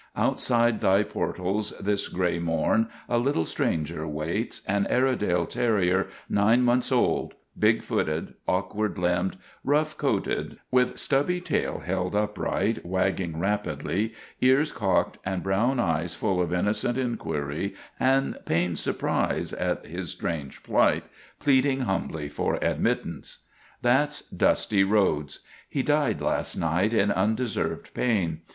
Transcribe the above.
Outside thy portals this gray morn a little stranger waits, an Airedale terrier, nine months old, big footed, awkward limbed, rough coated, with stubby tail held upright, wagging rapidly, ears cocked, and brown eyes full of innocent inquiry and pained surprise at his strange plight, pleading humbly for admittance. That 's Dusty Rhodes. He died last night in un deserved pain.